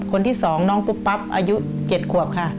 คนที่๒น้องปุ๊บปั๊บอายุ๗ขวบค่ะ